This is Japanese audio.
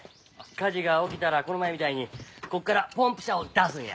火事が起きたらこの前みたいにここからポンプ車を出すんや。